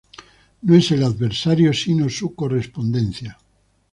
No es el adversario sino su correspondencia".